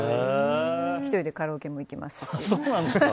１人でカラオケも行きますし。